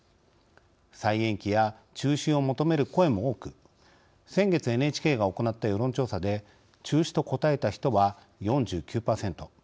再延期や中止を求める声も多く先月ＮＨＫが行った世論調査で中止と答えた人は４９％。